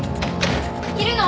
いるの？